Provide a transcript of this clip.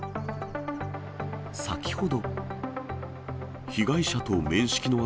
先ほど。